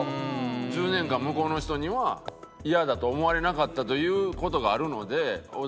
１０年間向こうの人にはイヤだと思われなかったという事があるので。